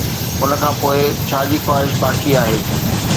ان کان پوء، ڇا جي خواهش باقي آهي؟